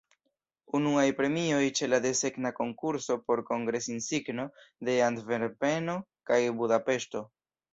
Unuaj premioj ĉe la desegna konkurso por kongres-insigno de Antverpeno kaj Budapeŝto.